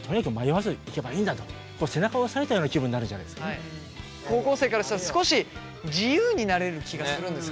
どれもとにかく高校生からしたら少し自由になれる気がするんですかね。